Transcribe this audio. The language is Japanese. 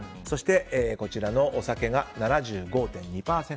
こちらのお酒が７５．２％。